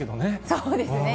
そうですね。